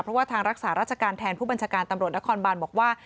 เพราะว่าทางรักษาราชการแทนผู้บัญชาการตำรวจนครบานบอกว่า